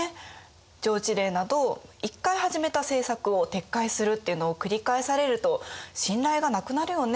上知令など１回始めた政策を撤回するっていうのを繰り返されると信頼がなくなるよね。